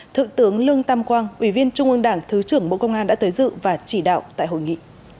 thượng tướng lương tam quang ủy viên trung ương đảng thứ trưởng bộ công an đã tới dự và chỉ đạo tại hội nghị